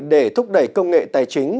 để thúc đẩy công nghệ tài chính